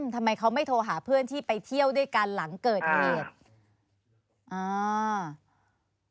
ทำไมเขาไม่โทรหาเพื่อนที่ไปเที่ยวด้วยกันหลังเกิดเหตุอ่า